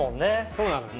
そうなのよ。